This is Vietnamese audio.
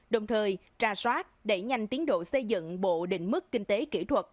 đồng thời tra soát đẩy nhanh tiến độ xây dựng bộ định mức kinh tế kỹ thuật